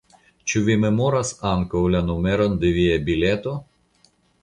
Ĉu vi memoras ankaŭ la numeron de via bileto?